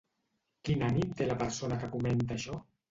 Quin ànim té la persona que comenta això?